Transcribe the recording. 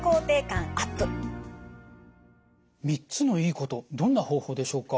３つのいいことどんな方法でしょうか？